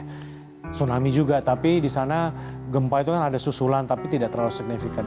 tsunami juga tapi di sana gempa itu kan ada susulan tapi tidak terlalu signifikan